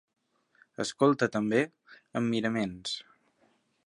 Escolta també, amb miraments